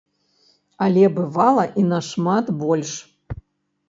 Але бывала і нашмат больш.